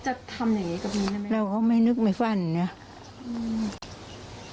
จะทำยังไงกับพี่นะเราก็ไม่นึกไม่ฟันเนี่ย